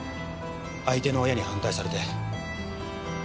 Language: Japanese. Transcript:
相手の親に反対されて。